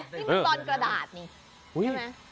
นี่มันบอลกระดาษนี่